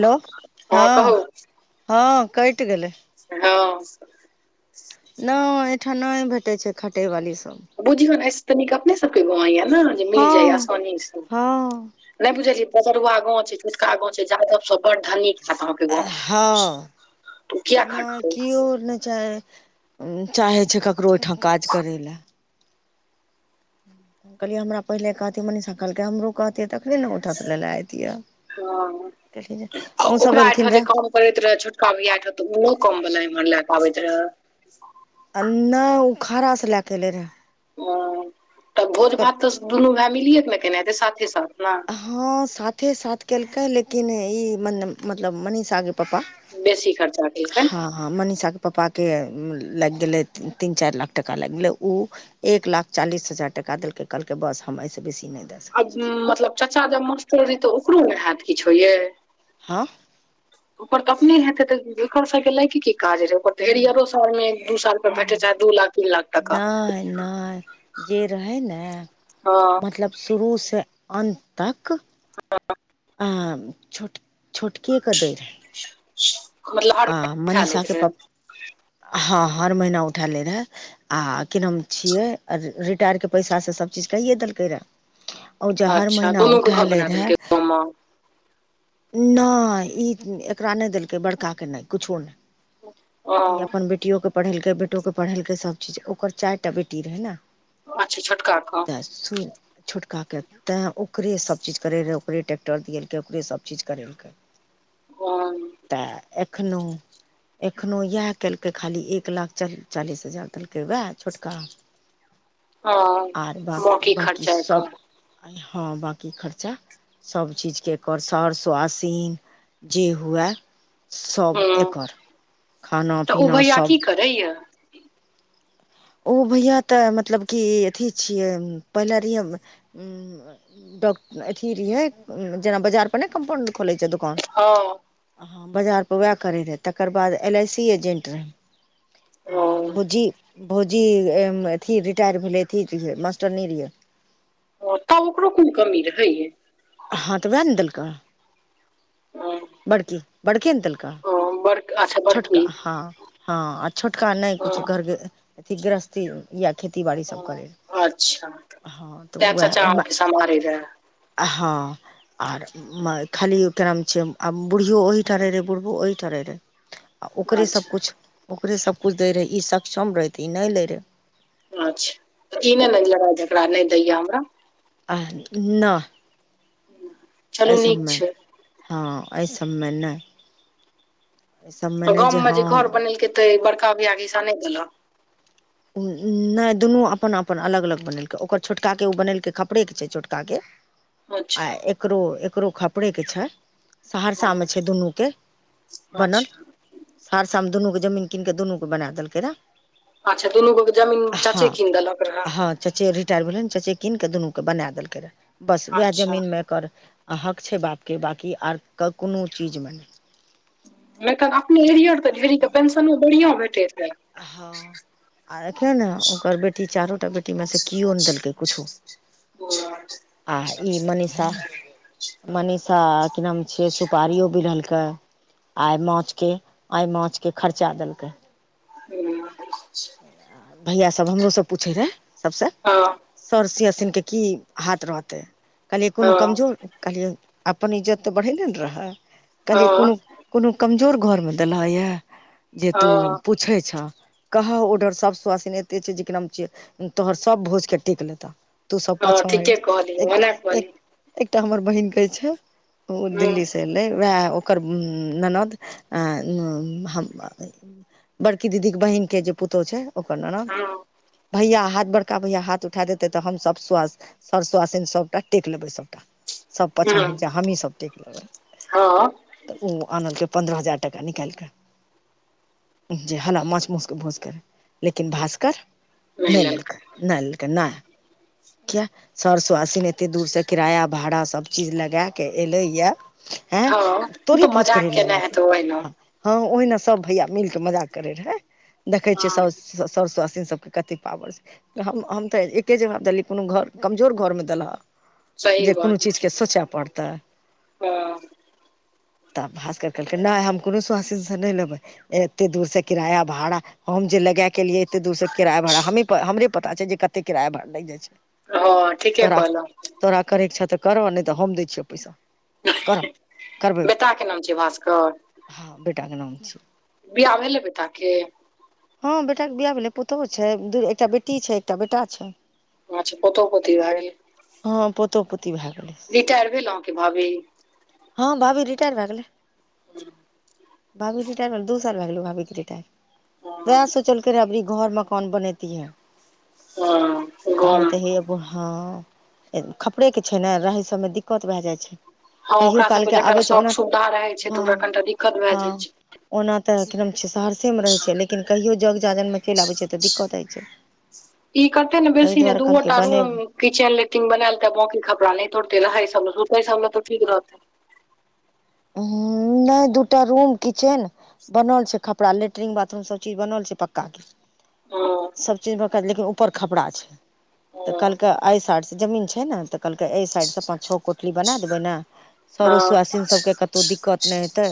hello हँ हँ कटि गेलै हँ नहि एहिठन नहि भेटै छै खटैवाली सब बुझियो ने ऐस त नीक अपने सब के गांव यऽ न जे हँ मिल जाए यँ आसानी से हँ नै बुझेछी पचरुआ गांँव छै छोटका गाँव छै जादव सब बड़ धनीक हँ तऽ ओ किया नै खटतै केयो न जाय चाहै छै ककरो ओठा काज करय ले कहलिए हमरा पहिले कहथी मनीषा कहलके हमरो कहतिए तखने ने उठास ऽ लाय लेय एतियै हँ आ ओहो सब ओकरा एहिठाम एलखिन जे य काम करैत रहे छोटका भैया ठं तंउहं [unintelligible] कम वला इमहर लय के आबैत रहे आ नौ उ खड़ासँ लैके अएलै रहै हं तऽ भोज भात तऽ दुनू भाइ मिलिए क ने केने हेतै साथे साथ न हँ साथे साथ केलकै लेकिन ई मने मतलब मनीषा के पप्पा बेसी खर्चा केलकै हँ मनीषाके पप्पाके लागि गेलै तीन चारि लाख टका लागि गेलै उ एक लाख चालीस हजार टाका देलकै कहलकै बस हम ऐस बेसी नहि दऽ सकै आब छी मतलब चचा जब मास्टर रहय तऽ ओकरो ने हेएत किछु यै हँ ओकर त अपने हेते तऽ ओर सबभके लएके की काज रहौ उम्म, एरियरो सऽ मे दू साल प उम्म, भेटे चा दू लाख तीन लाख टाका नहि नहि जे रहै ने हँ मतलब शुरूसँ अन्त तक ह आ छोट छोटके के दै खोला [unintelligible] में आ उठा लैत मनीषाके रहय पप हँ हर महिना उठा लै रहे आ कि नाम छियै रिटायरके पैसासँ सभचीज कैए देलकै रए ओ जे हर अच्छा महीना दुनू के उठा घर लै बना रहए देलकै गाँव मे नहि ई एकरा नहि देलकै बड़काके नहि किछो नहि ओ ई अपन बेटियो के पढ़ेलकै बेटो के पढ़ेलकै सभ चीज ओकर चारिटा बेटी रहे ने अच्छा छोटका कऽ सुन छोटका के तेय ओकरे सभचीज करे रहय ओकरे ट्रैेक्टर दियलकै ओकरे सभचीज करेलकै [unintelligible] तैय एखनोहु एखनो इएह केलकै खाली एक लाख चाल चालीस हजार देलकै उएह छोटका हँ आर बाद बाकी खर्चा सभ के आ हँ बकी खर्चा सभचीजकेँ एकर सर सुआसिन जे हुए सभ हूँ एकर खाना तऽ ओ पीना भैया की सभ करैया ओ भैया तऽ मतलब की अथी छियै पहिले रिहे डॉक अथी रहियै जेना बजार पर नैय कम्पाउण्ड खोलै छै दोकान हँ हँ बाजारपर वेह करै रहै तकर बाद एल आइ सी एजेन्ट रहै आ ओ भौजी भौजी अथी रिटायर भेलै अथी मास्टरनी रिहै तब ओकरो कोन कमी रहै यै हँ तऽ वैह नऽ देलकै बड़की बड़के नऽ देल ओ बड़ अच्छा बड़की हँ आ छोटका नहि ओ कुछु घर अथी गृहस्थी या खेती बाड़ी सब करय हँ तऽ वएह मै समारे रहै आ हँ और खाली ओकर नाम छै आ बुढ़ियो ओही ठाम रहय रहे बुढ़बो ओहीठाम रहय रहे आ ओकरे अच्छा सबकिछु ओकरे सबकिछु दै रहै ई सक्षम रहै तऽ ई नहि लै रहै अच्छा ई नहि न लड़ाइ झगड़ा नहि दैय यऽ हमरा आ नहि [inaudible] एहिसबमे छै हँ एहिसबमे नहि एहि सबमे आ नहि गाँम मे हँ जे घर बनेलकै तऽ बड़का भैया कऽ हिसा नहि देलक नहि दुनू अपन अपन अलग अलग बनेलकय ओकर छोटकाकेँ ओ बनेलकय खपड़ेके छै छोटकाके आ अच्छा एकरो एकरो खपड़ेकेँ छै हँ सहरसामे छै दुनूके बनल अच्छा सहरसा मे दुनू के जमीन कित कऽ दुनू के बना देलकै रेहै अच्छा दुनू गो केऽ जमीन चचे कीन दलक रहैय हँ चचे रिटायर भेलय न चचे कीन क दुनू के बनाय देलकै रहय बस उएह अच्छा जमीनमे एकर अ हक छै बापके बाँकी आर कोनो चीजमे नई नई तऽ अपने एरिय तऽ ढेरीक के पेंशनो बढ़िया भेटैत हेत हँ आ एखेन ओकर बेटी चारो टा बेटी मे सँ किओ नहि देलकै कुछो [inaudible] आ ई मनीषा मनीषा कि नाम छियै सुपारियो बरलकै आइ माछकेँ आइ माछकेँ खर्चा देलकय हूँ भैया सब हमरो सँ पूछय रहे सभसँ हँ सर सीय सनके की हाथ रहतै कहलियै हँ कोनो कमजोर कहलियै अपन इज्जत तऽ बढ़ेने ने रह कहलियए कोन हँ कोनो कमजोर घर मे देलह य जे तू हँ पूछै छ कह ओडर सर सुआसिन एते छै जेकि नाम छै तोहर सभ भोज के टेक लेत‌अ तू सब हँ, पछा [unintelligible] ठीके एक कहलियै एकटा ओना एक कहलियै एकटा हमर बहिन कहै छै ओ हूँ दिल्ली से एलै ओहे ओकर ननद हम बड़की दीदीक बहिनके जे पुतहु छै ओकर ननद हूँ भैया हाथ बड़का भैयाथ उठा देते तऽ हम सब स्वस्थ सर सुआसिन सभटा टेक लेबय सभटा सब पाछा हूँ हैट जा हमहीं सब देख लेबै हँ तऽ ओ आनलकय पन्द्रह हजार टका निकालिक जे हमरा माछ म‌उस भूजकर लेकिन भासकर नहि लेलकै नहि लेलकै नहि किया सर सोआसिन एते दूर स किराया भाड़ा सभ चीज लगा क एलैया हँ ओ तोही तऽ भोज करी मजाक ले केने हेतै ओहिना एलहकऽ हँ ओहिना सब भैया मिलके मजाक करय रहय देखे छियै हँ स सवा सवासिन सबके कतेक पावर छै हम हम तऽ एके जबाब देलियै कोनो घर कमजोर घरमे देलहक सही जे कोनो बात चीजके सोचय पड़तै हँ तऽ भास्कर कहलकै नहि हम कोनो स्वासिनसँ नहि लेबै एतेक दूरसँ किराया भाड़ा हम जे लगा केेलियै एते दूर से किराया भाड़ हमरे पता छै जे कते किराया भाड़ लागि जाइ छै हँ ठीके तोरा कहलौं तोरा करयके छौ तऽ करऽ नहि तऽ हम दै छियौ प‌इसा करब करबै बेटाके नाम छियै भास्कर हँ बेटाके नाम छियै बियाह भेलय बेटा के हँ बेटाक बियाह भेलय पुतहु छै एकटा बेटी छै एकटा बेटा छै बात छै पोतो पोती भ गेले हँ पोतो पोती भए गेलै रिटायर भेलहु कि भाभी हँ भाभी रिटार भए गेलै भाभी रिटार भय दु साल भए गेल यौ भावी के व [unintelligible] हँ ए सोचल कर रहे अबरी घर मकान बनेतीयै हँ ता मे गाँवमे तऽ हे ओ हँ खपड़े के छेला रहै सबमे दिक्कत भए जाइ छै हं कहियो ओकरा सबके कालके जखन आबै छै शौख ओना सुविधा रहे छै हँ तऽ ओकरा कनिटा दिक्कत भए हँ जाय छै ओना तऽ एकदम छै सहरसे मे रहै छै लेकिन कहियो जग जाजनमे चलि आबै छै तऽ दिक्कत होइत छै ई कतऽ ने ताहि बेसी ने दुआरे दू ओ कहलकै टा रूम बनेबै किचन लेट्रिन बनलि तऽ बाकी खपड़ा नहि तोड़तै रहय सब रुकै सबमे तऽ ठीक रहतै हूं नहि दूटा रूम किचेन बनौल छै खपड़ा लेट्रिन बाथरूम सब चीज बनल छै पक्का के हँ सब चीजमेक लेकिन ऊपर खपरा छै तऽ हँ कलकै आइ साइड स जमीन छै ने तऽ कहलकै ए साइड से पाँंच छओ कोठली बना देबे ने सरो हँ सुआसिन सब के कतहु दिक्कत नहि हेतै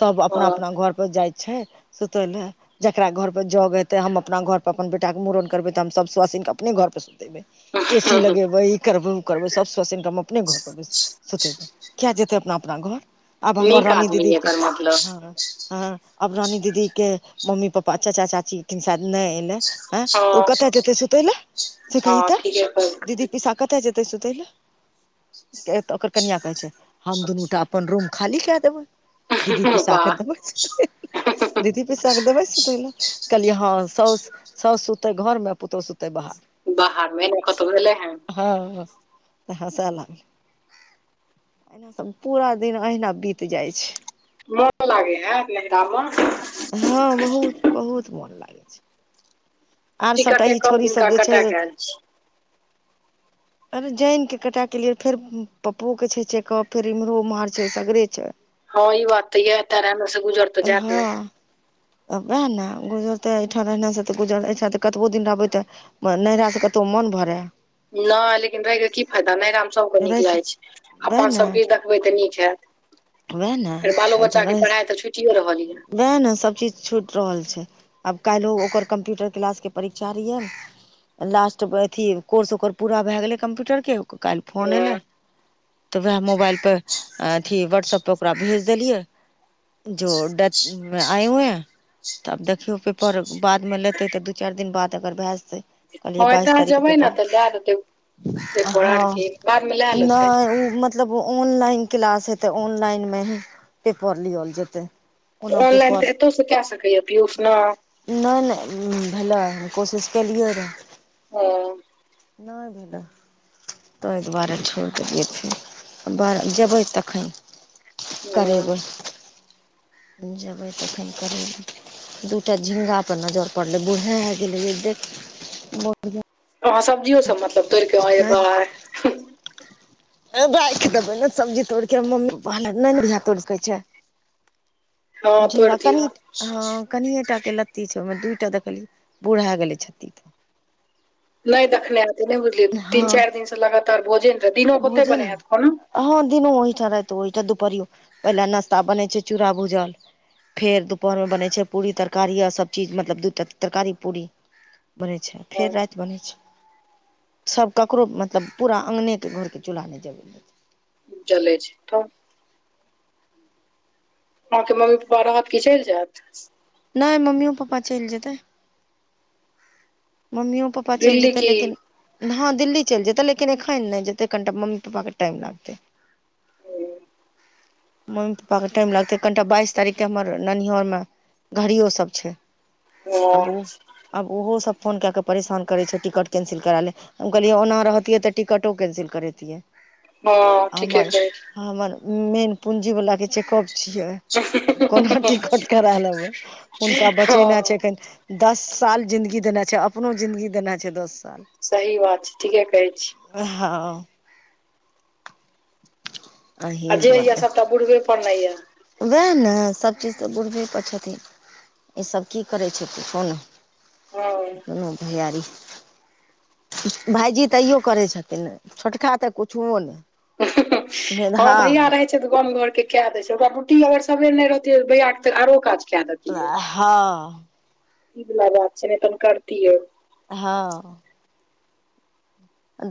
सभ अपना हँ अपना घरपर जाइ छै सुतय लए जकरा घर पर जग हेतै हम अपना घर पर अपन बेटाक के मुड़न करबै तऽ हम सभ सुआहासिनके अपने घर पर सुतेबै ए सी लगेबई ई करबौ उ करबौ सबसँ सुन्नक हम अपने घरपर सुतैबै किया जेतै अपना अपना घर आब हमर नीक रानी आदमी दीदीकेँ एकर मतलब हँ हँ अब रानी दीदी के मम्मी पापा चाचा चाची किन सायद नहि एलै ऐ तऽ ओ हँ केतअ जेतै सुतैय लऽ से कहि हँ तऽ ठीके दीदी कहलखिन पिसा केतअ केतअ जेते सुतै लऽ कियाकि ओकर कनियाँ कहै छैय हम दुनु टा अपन रूम खाली केय देबै दीदी पिसा वाह अखैन [unintelligible] सुतबै दीदी पिसा के देबै सुतै लऽ कहलिय हँ साउस साउस सुतै घर मे पुतहु सुततै बाहर बाहरमे एहनो केतो भेलै है हँ तऽ हँसै लागले पूरा दिन अहिना बीत जाइ छै मोन लागे हैत नहिरा मे हँ बहुत बहुत मोन लागै छै आऔर सबटा टिकटे ई कम छोरी सब दिनका जे छै कटा के आयल छी अरे जाइनकेँ कटएकेँ एलिये फेर पपोकेँ छै चेकपे फेर एम्हरो ओम्हर छै सगरे छै हँ ई बात त यै तेरे मे सँ गुजर तऽ जायत ने हँ वैह नऽ गुजरतै एहिठाम रहनाइ सँ तऽ गुजर एहिठाम तऽ कतबो दिन रहबै तऽ नहिरासँ कतहुँ मोन भरैय नहि लेकिन रहि क की फायदा नहिरामे सबके नीक रहै से लागै छै वएह अपन ने सभके देखबै तऽ नीक हैत वएह ने फेर बालो बच्चाकेँ पढ़ाइ तऽ छु टिये रहल यऽ नय नय सभचीज छूटि रहल छै आब काल्हि ओकर कम्प्यूटर क्लासकेँ परीक्षा रहिये नऽ लास्ट अथी कोर्स ओकर पूरा भए गेलै कम्प्यूटर केँ काल्हि फोन एलै ये तऽ वैह मोबाइल पर अथि व्हटसप पर ओकरा भेज देलियै जो [unintelligible] तऽ आब देखियौ पेपर बादमे लेतै तऽ दू चारि दिन बाद अगर भए जेतै कहलियए हँ बाइस एतऽ तारीखकेँ जेबै ने पेपर तऽ लए देतै पेपर आर हँ नहि के बाद मे लए ओ लेतै मत मतलब ऑनलाइन क्लास हेतै ऑनलाइनमे ही पेपर लियल जेतै ओना तऽ ऑनलाइन पेपर एतोसँ केय सकैय यऽ पियूस न नहि नहि भेलै कोशिश केलियै रहै ओ नहि भेलै ताहि दुआरे छोड़ि देलिये फेन बड़ जेबै तखैन हँ करेबै जेबै तखैन करेबै दूटा झिंगा पर नजर पड़ल बुढ़ाय गेले यै देख [unintelligible] अहाँ सब्जियो सब मतलब तोड़ कऽ अहाँ अरे बा राइख देबै न सब्जी तोड़िकेँ मम्मी पपा नई न अभि तोड़े सकैय छै हँ तोड़ि झिगा दियौ कनि हँ कनिए टा केँ लत्त लत्ती छै ओहिमे दुइ टा देखलियै बुढ़ा गेले [unintelligible] नहि देखने हेतै नहि बुझलियै तीन हँ चारि दिन से लगातार भोजन रहै दिनो क ओते भोजन बने हैत खना हँ दिनो ओहिठाम राति ओहिठ दुपरियो पहिले नस्ता बनै छै चूरा भूजल फेर दुपहरमे बनैत छै पूड़ी तरकारी आ सभचीज मतलब दू टा तरकारी पूरी बनै छै हँ फेर राति बनै छै सब ककरो मतलब पूरा अंगने घरके चुल्हा नहि जलबै छथीन चलै छी त अहाँके मम्मी पपा रहत कि चलि जायत नहि मम्मियो पपा चलि जेतै मम्मिओ पप्पा चलि दिल्ली जेतै की लेकिन हँ दिल्ली चलि जेतै लेकिन एखन नहि जेतै कनिटा मम्मी पापाके टाइम लागतै मम्मी पपा के टाइम लागते कनिटा बाइस तारीख के हमर ननिहर मे घड़ियो सब छै आब हँ ओ आब ओहो सब फोन कए कऽ परेशान करै छै टिकट कैंसिल करा लए हम कहलियै ओना रहतियै तऽ टिकटो कैंसिल करैतियै हँ ठीके कहै हमर मेन पूँजी वला के चेकअप छियै कोना टिकट करा लेबै हुनका हँ बचेनाइ छै एखन दस साल जिन्दगी देने छै अपनो जिन्दगी देने छै दस साल सही बात छै ठीके कहै छी हँ आ जे या सबटा बुढ़बे पर ने ये वैह ने सभचीज तऽ बुढ़बे पर छथिन ईसभ की करै छथिन हँ को [unintelligible] नो भैयारी भायजी तैयो करै छथिन छोटका तऽ कुछुओ नै हँ भैया रहै छै घ [unintelligible] र केऽ दे छै ओकरा रूटीगर सबेर नहि रहत आरो काज कए देतै हँ इ बला बात छै तन करतियौ हँ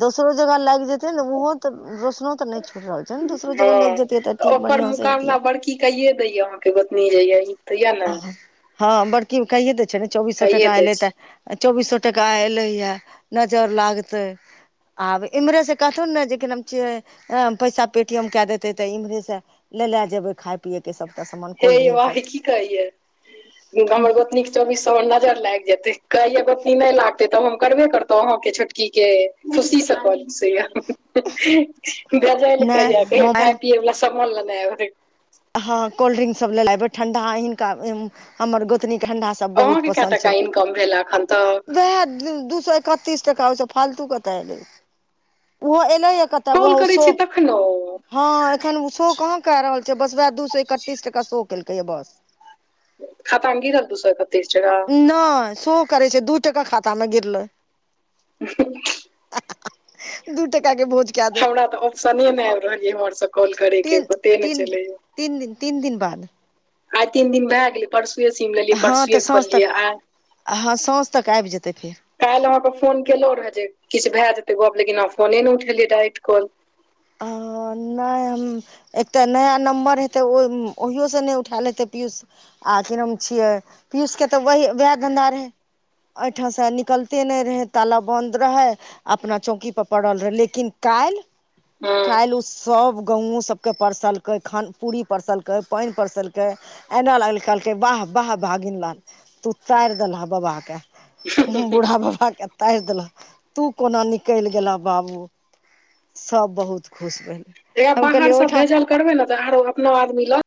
दोसरो जगह लाइग जेते ने उहो ते रोशनो ते नहि छुट रहल दोसरो जगह हँ लागि जतियै तऽ ठीक बढ़ियां से हेतिए कयेदैया अहाँ के गोतनी जे यही हँ बड़कीयो कहि द छै ने चौबीसो कैये टका दै एलै छै तऽ चौबीसो टका एले या नजर लागतै आब इम्हरे से कहथुन ने जे छिय पैसा पेटीएम कए देतै तऽ इम्हरे से ले ले जेबै खाय पियए के सबटा समान हे वह की कहैये घर गोतनिक चौबीस सौ मे नजर लागि जेते कहिय गोतनी नहि लागते तब हम करबे करतौ अहां के छोटकी के खुशी स पनसैया गजब के ए नहि कहिय खाय मोबाइल पियए वला सामान लेने एबय ह कोल्ड्रिंक सब लेेने एबै ठंडा हिनका हमर गोतनी ठंडा सब बहुत अहाँके कए पसन्द छै टका इनकम भेल एखन तक एकतीस टका ओई सऽ फालतू कत एलै ओहो एले है कतअ तब कॉल वह करै उसो छियै तखनो हँ एखन उ सो कहाँ क रहल छै बस उएह दू सए एकतीस टका सो केलकैया बस खाता में गिरल दू सए एकतीस टका नहि सो करय छै दू टका खाता मे गिरलै [unintelligible] [unintelligible] दू टका के भोज कए देब हमरा तऽ ऑप्शने नहि आबि रहल यै हमरा सभ तीन तीन तीन दिन तीन दिन बाद आइ तीन दिन भ‌ए गेलय परसुए सीम लेलियै हँ परसुए तऽ साँझ खोललियै तक आ हँ साँझ तक आबि जेतै फेर [inaudible] काइल अहाँकेँ फोन केलहुं रहय जे किछ भए जेतै गप लेकिन‌अहाँ फोने ने उठलियै रात कऽ आ नहि हम एकटा नया नम्बर हेतै ओ ओहियोसँ नहि उठाएल हेतै आ कि नाम छियै पियुष के तऽ व‌हि वएह धंधा रहय एहिठामसँ निकैलते नहि रहय ताला बन्द रहय अपना चौकीपर पड़ल रहय लेकिन काइल काइल हँ ओ सभ गाँवओ सभके परसलकै खान पूरी परसलकै पाइन परसलकै एना लगलय कहलकै वाह वाह भागिनलाल तू तारि देलह बबा के बुढ़ा बाबा के तैर देलह तू कोना निकल गेलह बाबू सभ बहुत खुश पहिले [unintelligible] ते बाहर सभ भेजल करबय ने तऽ आरो अपनो यार के